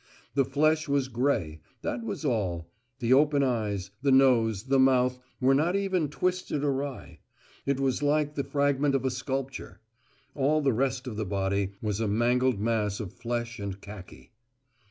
The flesh was grey, that was all; the open eyes, the nose, the mouth were not even twisted awry. It was like the fragment of a sculpture. All the rest of the body was a mangled mass of flesh and khaki.